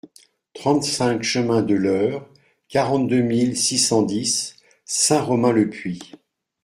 trente-cinq chemin de l'Heurt, quarante-deux mille six cent dix Saint-Romain-le-Puy